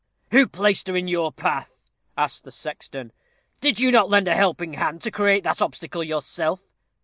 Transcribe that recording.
"Who placed her in your path?" asked the sexton. "Did you not lend a helping hand to create that obstacle yourself?"